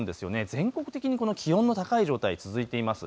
全国的に気温の高い状態続いています。